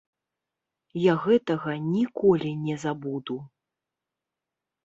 Я гэтага ніколі не забуду.